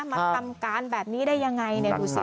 มาทำการแบบนี้ได้อย่างไรในภูศิ